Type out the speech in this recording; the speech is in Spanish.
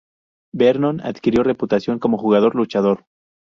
Vernon adquirió reputación como jugador luchador.